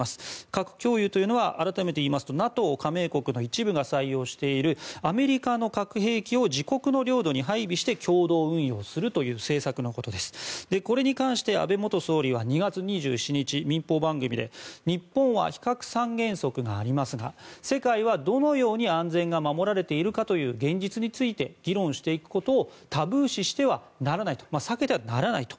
核共有というのは改めて言いますとＮＡＴＯ加盟国の一部が採用しているアメリカの核兵器を自国の領土に配備して共同運用するという政策のことですがこれに関して安倍元総理は２月２７日、民放番組で日本は非核三原則がありますが世界はどのように安全が守られているかという現実について議論していくことをタブー視してはならないと。